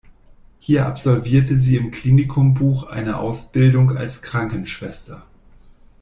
Hier absolvierte sie im Klinikum Buch eine Ausbildung als Krankenschwester.